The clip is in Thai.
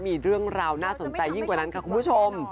มีเรื่องราวน่าสนใจยิ่งกว่านั้นค่ะคุณผู้ชม